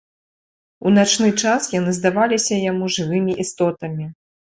У начны час яны здаваліся яму жывымі істотамі.